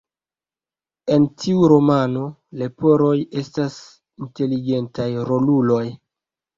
En tiu romano, leporoj estas inteligentaj roluloj.